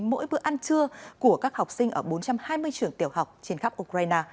mỗi bữa ăn trưa của các học sinh ở bốn trăm hai mươi trường tiểu học trên khắp ukraine